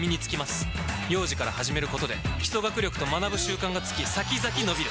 幼児から始めることで基礎学力と学ぶ習慣がつき先々のびる！